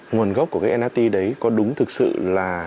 nguồn gốc của cái nart đấy có đúng thực sự là